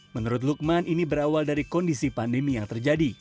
menurut lukman ini berawal dari kondisi pandemi yang terjadi